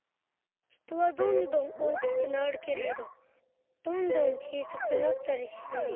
人はどんどん大きくなるけれどどんどん小さくなったりしない。